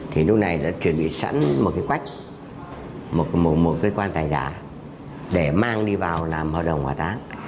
khu này đã chuẩn bị sẵn một cái quách một cái quan tài giả để mang đi vào làm hợp đồng hỏa táng